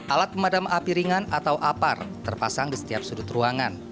alat pemadam api ringan atau apar terpasang di setiap sudut ruangan